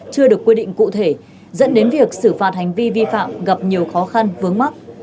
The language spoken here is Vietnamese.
chưa được quy định cụ thể dẫn đến việc xử phạt hành vi vi phạm gặp nhiều khó khăn vướng mắt